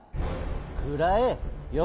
くらえ！よ